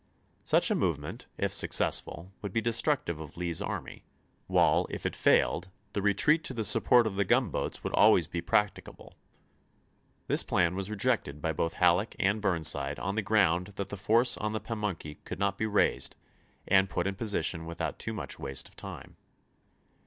Such a movement, if successful, would be destructive of Lee's army; while if it failed, the retreat to the support of the gunboats would always be practicable. This plan was rejected by both Lincoln Halleck and Burnside on the ground that the force %?vHf7f ' on the Pamunkey could not be raised and put in Note.' ^ms. position without too much waste of time.